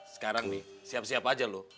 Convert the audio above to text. sekarang nih siap siap aja loh